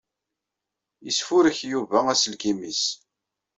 Yesfurek Yuba aselkim-nnes.